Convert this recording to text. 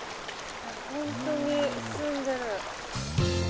本当に澄んでる。